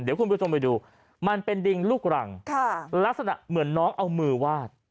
เดี๋ยวคุณผู้ชมไปดูมันเป็นดิงลูกรังลักษณะเหมือนน้องเอามือวาด